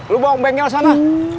lo bawa ke bengkel sana